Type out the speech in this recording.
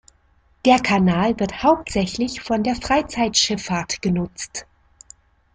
Der Kanal wird hauptsächlich von der Freizeitschifffahrt genutzt.